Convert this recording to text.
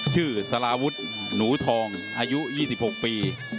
สาราวุฒิหนูทองอายุ๒๖ปี